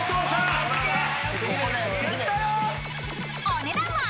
［お値段は？］